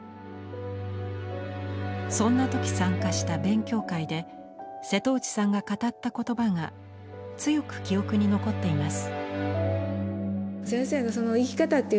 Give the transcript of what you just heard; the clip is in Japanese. そんなとき参加した勉強会で瀬戸内さんが語ったことばが強く記憶に残っています。